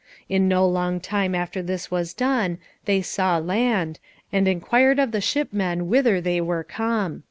In no long time after this was done they saw land, and inquired of the shipmen whither they were come.